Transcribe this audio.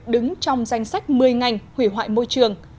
đứng trong danh sách một mươi ngành hủy hoại môi trường